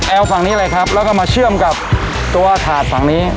เอาฝั่งนี้เลยครับแล้วก็มาเชื่อมกับตัวถาดฝั่งนี้